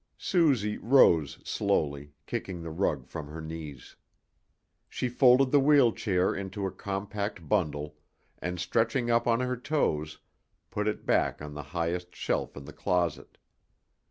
Suzy rose slowly, kicking the rug from her knees. She folded the wheel chair into a compact bundle, and stretching up on her toes, put it back on the highest shelf in the closet.